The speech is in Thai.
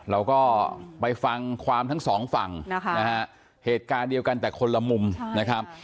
เราก็ไปฟังความทั้งสองฝั่งนะคะเหตุการณ์เดียวกันแต่คนละมุมนะครับ